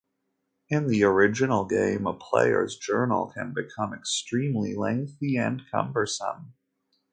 In the original game, a player's journal can become extremely lengthy and cumbersome.